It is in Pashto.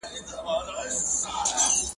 دې ماشوم تل په شوق سره مسواک کارولی دی.